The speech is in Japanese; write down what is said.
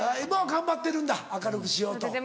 今は頑張ってるんだ明るくしようと。